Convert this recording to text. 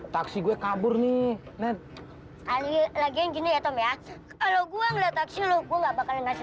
taksi gue kabur nih net lagi lagi gini ya kalau gua ngeliat taksi lo gua bakal ngasih